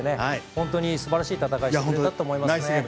本当に素晴らしい戦いだったと思います。